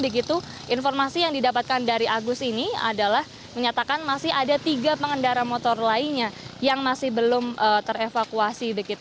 begitu informasi yang didapatkan dari agus ini adalah menyatakan masih ada tiga pengendara motor lainnya yang masih belum terevakuasi